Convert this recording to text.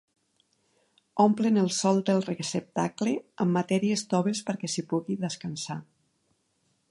Omplen el sòl del receptacle amb matèries toves perquè s'hi pugui descansar.